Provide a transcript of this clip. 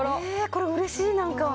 これはうれしい！